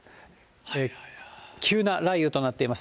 急な雷雨となっています。